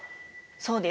そうです。